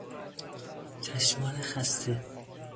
چشمان خسته